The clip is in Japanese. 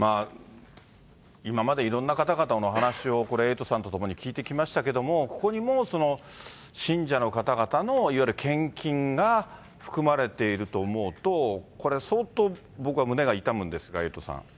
今までいろんな方々の話をこれ、エイトさんとともに聞いてきましたけれども、ここにも、信者の方々のいわゆる献金が含まれていると思うと、これ、相当、僕は胸が痛むんですが、エイトさん。